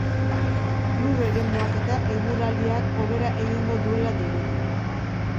Lur-eremuak eta eguraldiak hobera egingo duela dirudi.